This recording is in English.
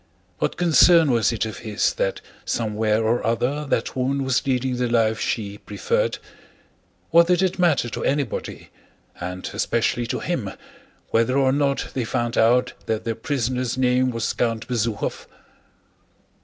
What concern was it of his that somewhere or other that woman was leading the life she preferred? What did it matter to anybody, and especially to him, whether or not they found out that their prisoner's name was Count Bezúkhov?